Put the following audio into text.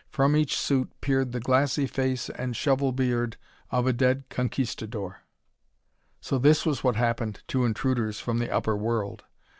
From each suit peered the glassy face and shovel beard of a dead Conquistadore. So this was what happened to intruders from the upper world!